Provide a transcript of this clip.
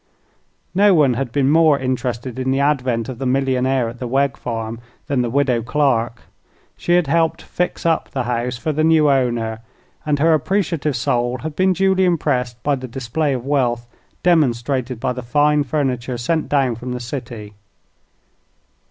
No one had been more interested in the advent of the millionaire at the Wegg farm than the widow Clark. She had helped "fix up" the house for the new owner and her appreciative soul had been duly impressed by the display of wealth demonstrated by the fine furniture sent down from the city.